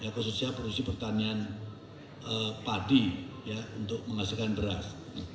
khususnya produksi pertanian padi untuk menghasilkan beras